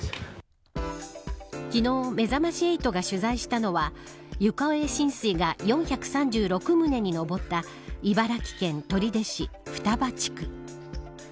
昨日めざまし８が取材したのは床上浸水が４３６棟に上った茨城県取手市双葉地区。